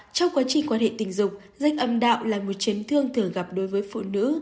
trong quá trình quan hệ tình dục danh âm đạo là một chấn thương thường gặp đối với phụ nữ